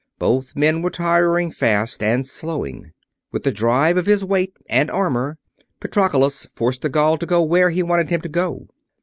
Both men were tiring fast, and slowing. With the drive of his weight and armor, Patroclus forced the Gaul to go where he wanted him to go.